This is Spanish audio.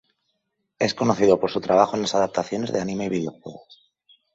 Es conocido por su trabajo en las adaptaciones de anime y videojuegos.